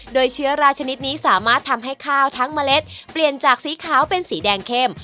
โดยเชื้อราชนิดนี้สามารถทำให้ข้าวทั้งเมล็ดเปลี่ยนจากสีขาวเป็นสีแดงเข้ม